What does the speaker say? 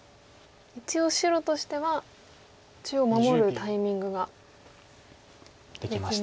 一応白としては中央守るタイミングができましたね。